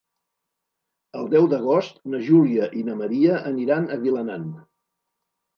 El deu d'agost na Júlia i na Maria aniran a Vilanant.